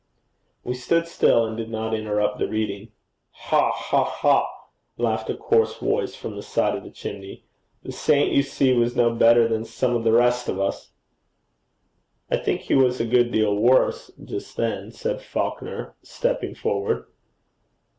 We stood still and did not interrupt the reading. 'Ha! ha! ha!' laughed a coarse voice from the side of the chimney: 'the saint, you see, was no better than some of the rest of us!' 'I think he was a good deal worse just then,' said Falconer, stepping forward.